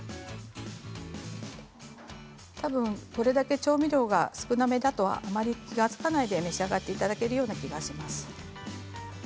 たぶん、これだけ調味料が少なめだとあまり気が付かないで召し上がっていただけると思います。